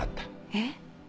えっ？